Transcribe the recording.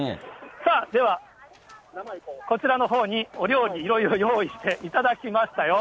さあ、ではこちらのほうにお料理いろいろ用意していただきましたよ。